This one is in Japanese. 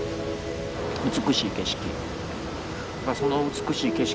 美しい景色。